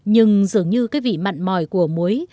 nhưng dường như cái vị mặn mòi của muối